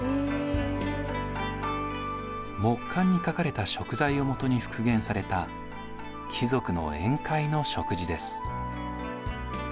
木簡に書かれた食材を基に復元された貴族の宴会の食事です。